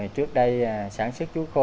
trước đây sản xuất chuối khô